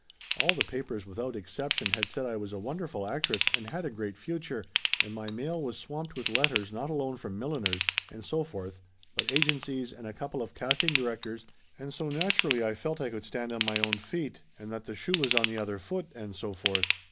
All the papers without exception had said I was a won derful actress and had a great future, and my mail was swamped with letters not alone from milliners, and so forth, but agencies and a couple of casting directors, and so naturally I felt I could stand on my own feet Laughter Limited 205 and that the shoe was on the other foot, and so forth.